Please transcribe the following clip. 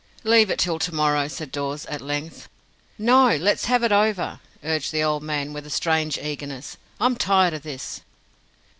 "Leave it till to morrow," said Dawes, at length. "No; let's have it over," urged the old man, with a strange eagerness. "I'm tired o' this."